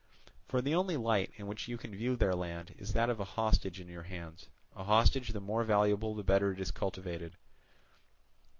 For the only light in which you can view their land is that of a hostage in your hands, a hostage the more valuable the better it is cultivated.